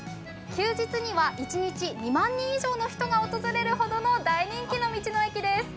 休日には一日２万人以上の人が訪れる大人気の道の駅です。